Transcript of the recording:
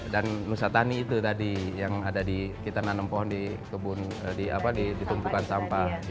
dan nusatani itu tadi yang ada di kita nanam pohon di kebun di tumbukan sampah